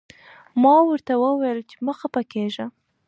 ما ورته وویل چې مه خفه کېږه.